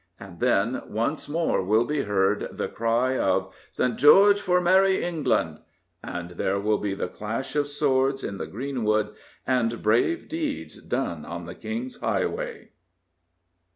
And then once more will be heard the cry of " St. George for Merry England I " and there will be the clash of swords in the greenwood and brave deeds done on the King's highway.